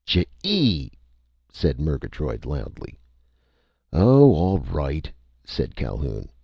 "Chee!!!" said Murgatroyd loudly. "Oh, all right!" said Calhoun.